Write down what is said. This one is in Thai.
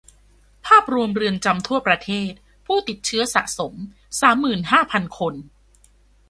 ภาพรวมเรือนจำทั่วประเทศ ผู้ติดเชื้อสะสมสามหมื่นห้าพันคน